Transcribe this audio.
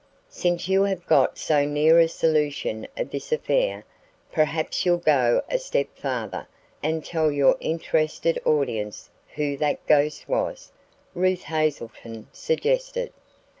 "Since you have got so near a solution of this affair, perhaps you'll go a step farther and tell your interested audience who that ghost was," Ruth Hazelton suggested.